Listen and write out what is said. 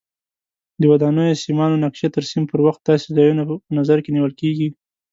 د ودانیو سیمانو نقشې ترسیم پر وخت داسې ځایونه په نظر کې نیول کېږي.